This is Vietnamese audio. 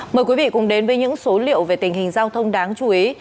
mời quý vị cùng đến với những số liệu về tình hình giao thông đáng chú ý